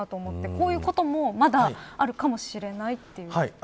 こういうこともまだあるかもしれないということですか。